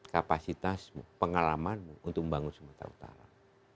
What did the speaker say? kapasitasmu pengalamanmu untuk membangun sumatera utara